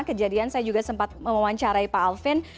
kejadian saya juga sempat mewawancarai pak alvin